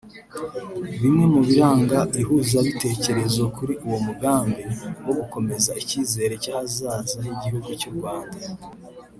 Bimwe mu biranga ihuzabitekerezo kuri uwo mugambi wo gukomeza icyizere cy’ahazaza h’igihugu cy’u Rwanda